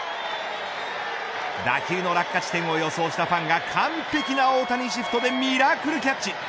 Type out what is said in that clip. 打球の落下地点を予想したファンが完璧な大谷シフトでミラクルキャッチ。